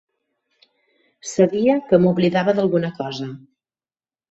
Sabia que m'oblidava d'alguna cosa.